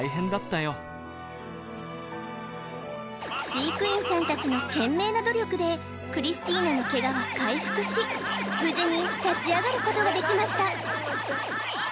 飼育員さんたちの懸命な努力でクリスティーナのけがは回復し無事に立ち上がることができました